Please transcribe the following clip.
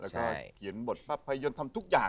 ใช่แล้วเขียนบทภัยยนท์ทำทุกอย่าง